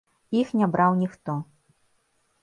Іх не браў ніхто.